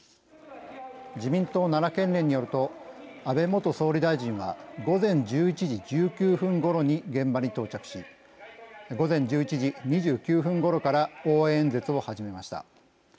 自民党奈良県連によると安倍元総理大臣は午前１１時１９分ごろに現場に到着し午前１１時２９分ごろから応援演説を始めました。